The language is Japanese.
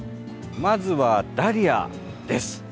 まずは、ダリアです。